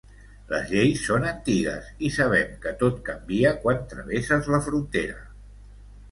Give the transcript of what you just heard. Les lleis són antigues i sabem que tot canvia quan travesses la frontera.